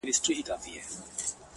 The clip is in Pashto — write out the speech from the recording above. گراني په دې ياغي سيتار راته خبري کوه؛